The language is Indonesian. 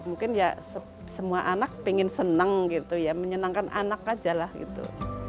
mungkin ya semua anak pengen seneng gitu ya menyenangkan anak aja lah gitu